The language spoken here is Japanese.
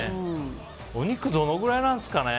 お肉、どのくらいなんですかね。